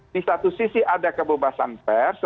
di satu sisi ada kebebasan pers